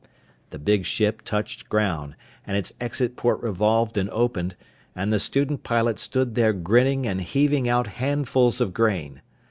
The big ship touched ground, and its exit port revolved and opened, and the student pilot stood there grinning and heaving out handfuls of grain.